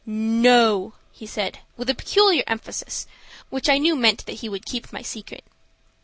"No," he said, with a peculiar emphasis, which I knew meant that he would keep my secret.